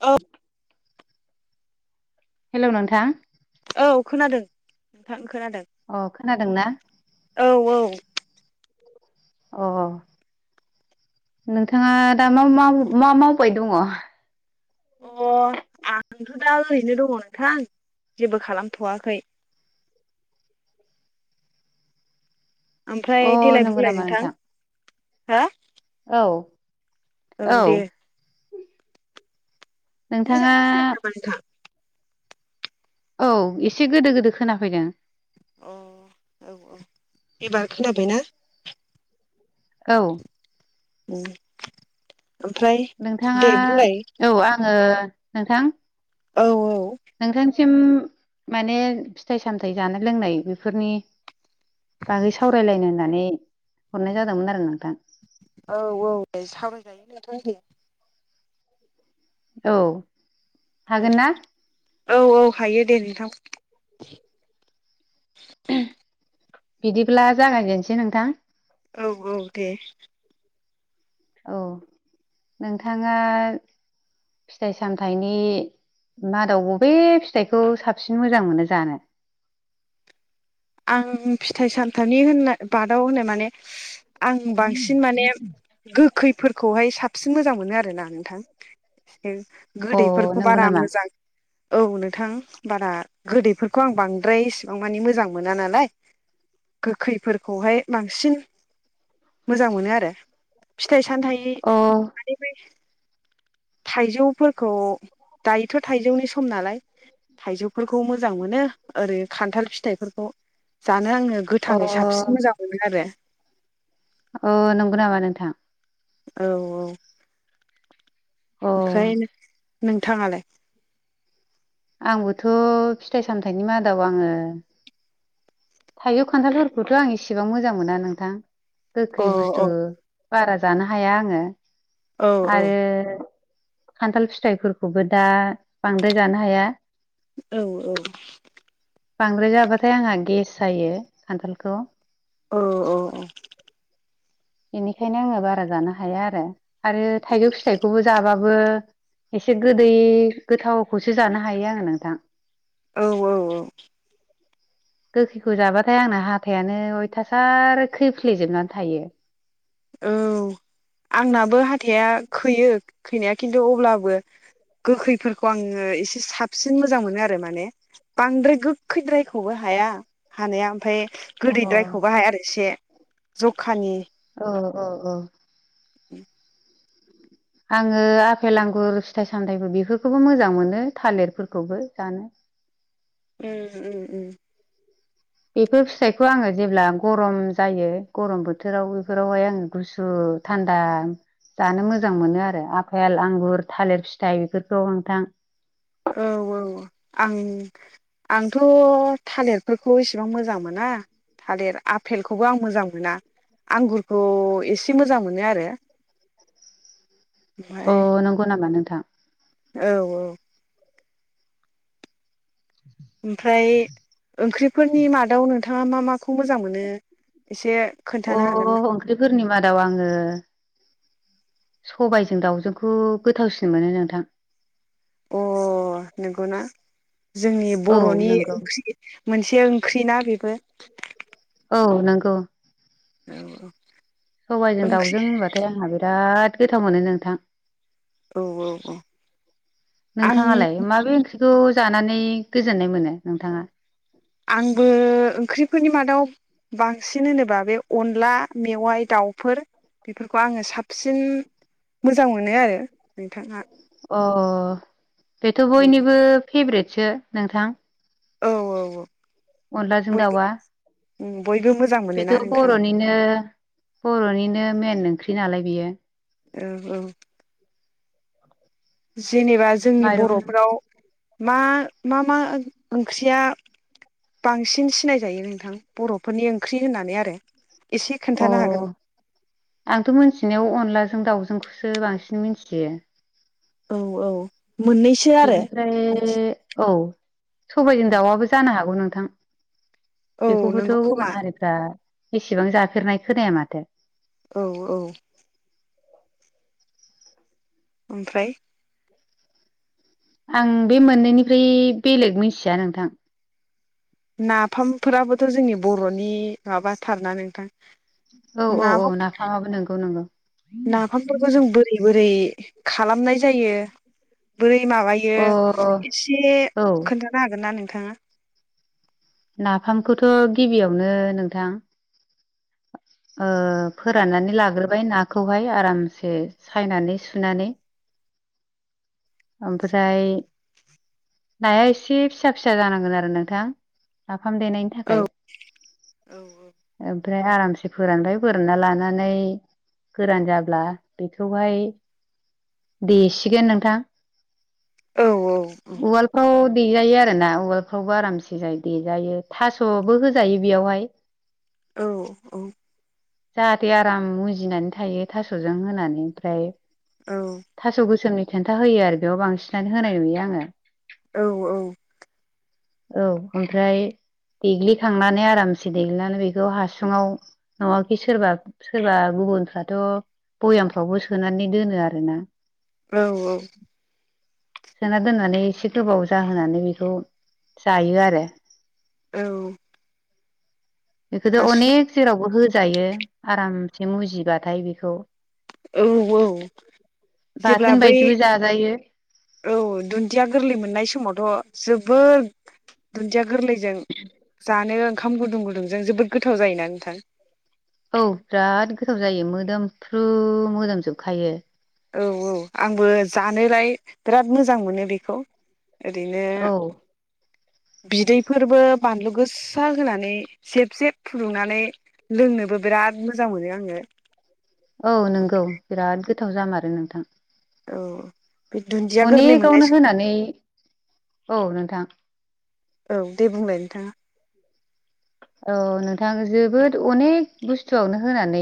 अ hello नोंथां औ खोनादों नोंथां खोनादों अ खोनादोंना औ औ अ नोंथाङा दा मा मा मावबाय दङ? औ [unintelligible] अ आंथ' दा ओरैनो दङ नोंथां जेबो खालामथ'वाखै। अ ओमफ्राय देेलाय नंगौ बुंलाय नामा नोंथां हो औ औ दे- मोजां नोंथाङा खोनाया नामा नोंथां? औ एसे गोदो गोदो खोनाफैदों। अ औ औ एबार खोनाबायना? औ उम नोंथाङा औ आङो नोंथां औ औ नोंथांसिम माने फिथाइ सामथाय जानाय लोंनाय बेफोरनि बागै सावरायलायनो होननानै हरनाय जादोंमोन आरो नोंथां। औ औ सावरायजायो नोंथां दे औ हागोन ना औ औ हायो दे नोंथां। बिदिब्ला जागायनोसै नोंथां। औ औ दे। औ नोंथाङा फिथाइ सामथायनि मादाव बबे फिथाइखौ साबसिन मोजां मोनो जानो आं फिथाइ सामथामनि होननाय बादाव होनो माने आं बांसिन माने गो खैफोरखौहाय साबसिन मोजां मोनो आरोना नोंथां। अ गोदैफोरखौ नंगौ बारा नामा? मोजां औ नोंथां बारा गोदैफोरखौ आं बांद्राय इसिबां मानि मोजां मोना नालाय गोखैफोरखौहाय बांसिन मोजां मोनो आरो फिथाइ सामथाय अ थाइजौफोरखौ दायोथ' थाइजौनि सम नालाय थाइजौफोरखौ मोजां मोनो ओरै खान्थाल फिथाइफोरखौ बे खौ जानो आङो अ गोथाङै साबसिन मोजां मोनो आरो अ नंगौ नामा नोंथां। औ औ। अ ओमफ्राय नोंथाङालाय आंबोथ' फिथाइ सामथायनि मादाव आङो थाइजौ खान्थालफोरखौथ'आं इसेबां मोजां मोना नोंथां। अ गोखै अ बुस्थु बारा जानो हाया आङो औ औ आरो खान्थाल फिथाइफोरखौबो दा बांद्राय जानो हाया। औ औ। बांद्राय जाबाथाय आंहा गेस जायो खान्थालखौ औ बेनिखायनो आङो बारा जानो हाया आरो आरो थाइजौ फिथाइखौबो जाब्ला बो एसे गोदै गोथावखौसो जानो हायो आङो नोंथां। औ औ औ। गोखैखौ जाबाथाय आंना हाथायानो अयथासार खैफ्लेेजोबनानै थायो। औ आंनाबो हाथाया खैयो खैनाया खिन्थु अब्लाबो गोखैफोरखौ आङो एसे साबसिन मोजां मोनो आरो माने बांद्राय गोखैद्रायखौबो हाया हानाया ओमफ्राय अ गोदैद्रायखौ हाया आरो एसे जखानि औ औ औ। उम आङो आफेल आंगुर फिथाइ सामथायाइबो बेफोरखौबो मोजां मोनो थालिरफोरखौबो जानो [inaudible] उम उम उम। बेफोर फिथाइखौ आङो जेब्ला गरम जायो गरम बोथोराव बेफोरावहाय आङो गुसु गुसु थान्दा जानो मोजां मोनो आरो आफेल आंगुर थालिर फिथाइ बेफोरखौ नोंथां। औ औ आं आंथ' थालिरफोरखौ इसेबां मोजां मोना। थालिर आफेलखौबो आं मोजां मोना आंगुरखौ एसे मोजां मोनो आरो। अ ओमफ्राय नंगौ नामा नोंथां। औ औ। ओमफ्राय ओंख्रिफोरनि मादाव नोंथाङा मा माखौ मोजां मोनो एसे अ खोन्थानो हागोन ओंख्रिफोरनि मादाव आङो सबायजों दाउजोंखौ गोथावसिन मोनो नोंथां। अ नंगौना जोंनि औ बर'नि नंगौ ओंख्रि मोनसे ख्रिना बेबो। औ नंगौ। औ औ [inaudible] औ औ आं नोंथाङालाय माबे ओंख्रिखौ जानानै गोजोननाय मोनो नोंथाङा आंबो ओंख्रिफोरनि मादाव बांसिन होनोबा बे अनला मेवाइ दाउफोर बेफोरखौ आङो साबसिन मोजां मोनो आरो नोंथाङा अ बेथ' औ बयनिबो फेभ्रेटसो नोंथां औ औ औ। अनलाजो‌ं बयबो दावा बयबो मोजां बेथ' मोनोना नोंथां बर'निनो बर'निनो मेन ओंख्रि नालाय बेयो औ औ। जेनेबा जोंनि माइरं बर'फोराव मा मा मा ओंख्रिया बांसिन सिनायजायो नोंथां बर'फोरनि ओंख्रि होननानै आरो एसे अ खोन्थानो हागोन आंथ' मोनथिनायाव अनलाजों दाउजों सो बांसिन मिथियो। औ औ मोननैसो आरो सबायाइजों दाउआआबो जानो हागौ नोंथां औ बेखौबोथ' नंगौ खोमा गुबुन हारिफ्रा एसेबां जाफेरनाय खोनाया माथो औ औ ओमफ्राय आं बे मोननैनिफ्राय बेलेग मिथिया नोंथां नाफामफोराबोथ' जोंनि बर'नि माबाथारना नोंथां। औ औ औ नाफाम नाफामाबो नंगौ नंगौ नाफामफोरखौ जों बोरै बोरै खालामनाय जायो बै माबायो अ एसे औ खोन्थानो हागोन ना नोंथाङा। नाफामखौथ' गिबियावनो नोंथां [inaudible] फोराननानै लाग्रोबाय नाखौहाय आरामसे सायनानै सुनानै ओमफ्राय नाया एसे फिसा फिसा जानांगोन आरो नोंथां। फाम देनायनि औ थाखाय ओमफ्राय आरामसे फोरानबाय फोरानना लानानै गोरान जाब्ला बेखौहाय देसिगोन नोंथां। औ अलफाव देेजायो आरो ना उवालफ्रावबो आरामसे जायो देजायो थास'बो होजायो बेयावहाय औ औ। जाहाथे आराम मुजिनानै थायो थास'जों होनानै ओमफ्राय औ थास' गोसोमनि खिन्था होयो आरो बेयाव बांसिनानो होनाय नुयो आङो औ औ औ ओमफ्राय देग्लिखांनानै आरामसे देग्लिनानै बेखौ हास बिफाङाव दावा गिसिरबा सोरबा गुबुनफ्राथ' भयामफ्रावबो सोनानै दोनो आरोना औ औ सोना दोननानै एसे गोबाव जाहोनानै बेखौ जायो आरो। औ। रो हासुं अनेक जेरावबो होजायो आरामसे मुजिबाथाय बेखौ औ औ जेब्ला बाथोन बै बायदिबो जाजायो औ दुन्दिया गोरलै मोननाय समावथ' जोब बोर दुन्दिया गोरलैजों जानो खाम गुदुं गुदुंजों जोबोद गोथाव जायोना नोंथां औ बिराद गोथाव जायो मोदोमफ्रू मोजोमजोबखायो औ औ आंबो जानोलाय बिराद मोजां मोनो बेखौ ओरैनो औ बिदैफोरबो बानलु गोस्सा होनानै जेब जेब फुदुंनानै लों नोबो बिराद मोजां मोनो आङो। औ नंगौ बिराद गोथाव जामारो नोंथां। औ बे दुन्दिया गोरलै मोननाय अनेकावनो समाव होनानै औ नोंथां औ दे बुंलाय नोंथाङा औ नोंथां जोबोद अनेक बुस्थुआवनो होनानै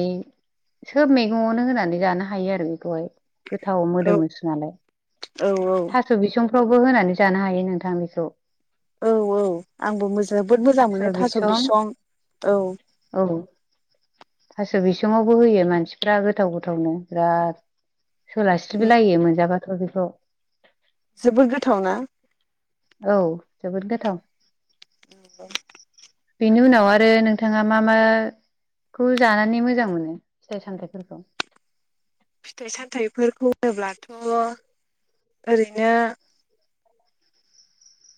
सोब मेगङावनो होनानै जानो हायो आरो बेखौहाय गोथाव औ मोदोमोसो नालाय औ औ फ्रावबो होनानै जानो हायो नोंथां बेखौ औ औ आंबो मोज जोबोद मोजां मोनो थास' बिसं औ औ [unintelligible] स' बिसङावबो होयो मानसिफ्रा गोथाव गोथावनो बिराद सोलास्रिब लायो मोनजाबाथ' बेखौ जोबोद गोथावना थाव [unintelligible] बेनि उनाव आरो नोंथाङा मा मा खौ जानानै मोजां मोनो फिथाइ -सामथाइफोरखौ फिथाइ -सानथाइफोरखौ होनोब्लाथ' ओरैनो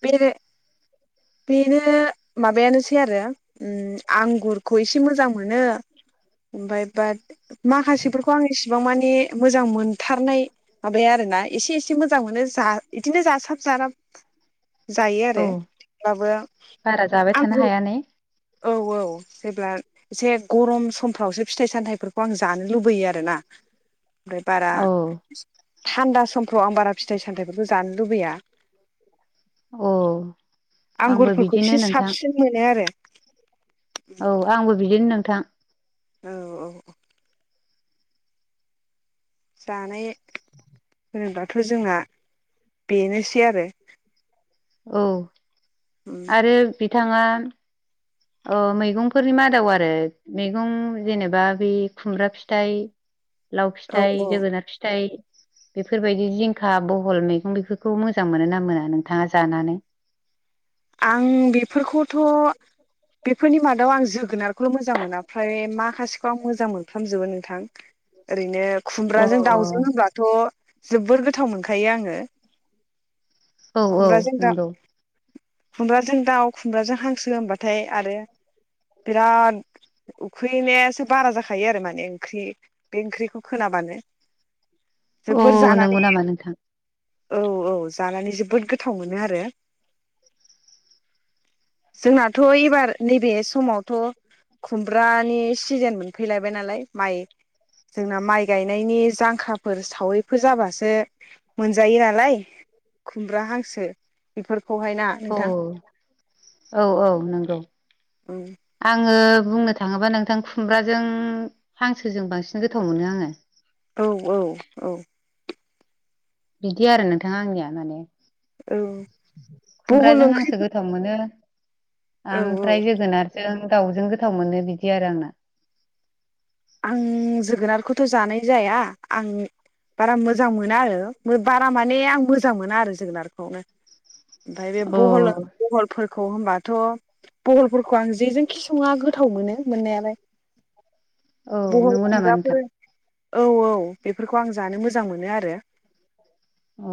बेरे बेनो माबायानोसै आरो उम आंगुरखौ एसे मोजां मोनो ओमफाय बाद माखासेफोरखौ आं एस सेबां मानि मोजां मोनथारनाय माबाया आरोना एसे एसे मोजां मोनो जा इदिनो जासाब [unintelligible] साराब जायो आरो औ थेबाबो बारा जाबाय थानो आंखौ हाया ने औ औ जेब्ला एसे गरम समफ्रावसो फिथाइ- सानथाइफोरखौ आं जानो लुबैयो आरो ना [unintelligible] बे बारा औ [unintelligible] थान्दा समफ्राव आं बारा फिथाइ -सानथाइफोरखौ जानो लुबैया औ आंबो आंगुरफोरखौ बिदिनो एसे नोंथां साबसिन मोनो आरो औ आंबो बिदिनो नोंथां। औ औ जानाय होनोब्लाथ' जोंना बेनोसै आरो औ उम आरो बिथाङा अ मैगंफोरनि मादाव आरो मेगं जेनेबा बे खुमब्रा फिथाइ लाव औ फिथाइ औ जोगोनार फिथाइ बेफोरबायदि जिंखा बहल मैगं बेफोरखौ मोजां मोनो ना मोना नोंथाङा जानानै? [unintelligible] आं बेफोरखौथ' बेफोरनि मादाव आं जोगोनारखौल' मोजां मोना फ्राय माखासेखौ आं मोजां मोनफ्रामजोबो नोंथां। ओरैनो अ खुमब्राजों दाउजों होनबाथ' जोबोर गोथाव मोनखायो आङो। औ औ खुमब्राजों दा नंगौ खुमब्राजों दाउ खुमब्राजों हांसो होनबाथाय आरो बिराद उखैनायासो बारा जाखायो आरो माने ओंख्रि बे ओंख्रिखौ खोनाबानो। अ जोबोर जानानै नंगौ नामा नोंथां? औ औ जानानै जोबोद गोथाव मोनो आरो। [inaudible] जोंनाथ' एबार नैबे समावथ' खुमब्रानि सिजोन मोनफैलायबाय नालाय माइ जोंना माइ गायनायनि जांखाफोर सावैफोर जाबासो मोनजायो नालाय खुमब्रा हांसो बेफोरखौहाय ना औ नोंथां औ औ नंगौ औ आङो बुंनो थाङोबा नोंथां खुमब्राजों हांसोजों बांसिन गोथाव मोनो आङो औ औ औ बिदि आरो नोंथाङा आंनिया माने। औ बहल खुमब्राजों हांसो ओंख्रिफोर गोथाव मोनो औ औ ओमफ्राय जोगोनारजों दाउजों गोथाव मोनो बिदि आरो आंना। आं जोगोनारखौथ' जानाय जाया आं बारा मोजां मोना आरो बारा माने आं मोजां मोना आरो जोगोनारखौनो। ओमफाय बे अ बहल बहल फोर खौ होनोमबाथ' बहलफोरखौ आं जेजों खि सङा गोथाव मोनो मोननायालाय। [inaudible] बहल नंगौ नामा नोंथां? खुगब्राफोर औ औ बेफोरखौ आं जानो मोजां मोनो आरो। अ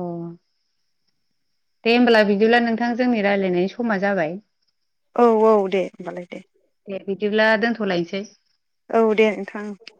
दे होमब्ला बिदिब्ला नोंथां जोंनि रायज्लायनायनि समा जाबाय औ औ दे होनोमबालाय दे दे बिदिब्ला दोनथ'लायसै। औ दे नोंथां ओं।